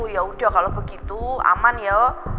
ya udah kalau begitu aman ya